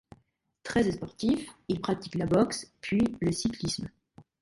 Très sportif, il pratique la boxe puis le cyclisme.